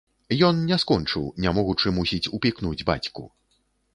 Ён не скончыў, не могучы, мусіць, упікнуць бацьку.